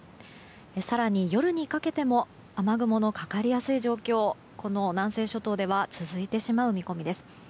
更に、夜にかけても雨雲のかかりやすい状況がこの南西諸島では続いてしまう見込みです。